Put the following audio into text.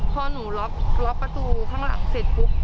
พอหนูล็อกประตูข้างหลังเสร็จปุ๊บ